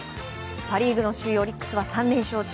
パ・リーグの首位オリックスは３連勝中。